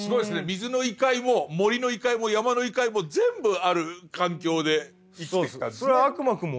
水の異界も森の異界も山の異界も全部ある環境で生きてきたんですね。